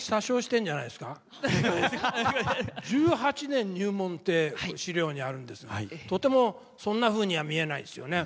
１８年入門って資料にあるんですがとてもそんなふうには見えないですよね。